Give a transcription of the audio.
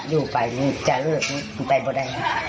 อยู่ไปจ่าเรียนเจอใบบ่น่ะ